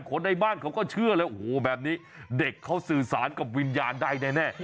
คนในบ้านเขาก็เชื่อเลยโอ้โหแบบนี้เด็กเขาสื่อสารกับวิญญาณได้แน่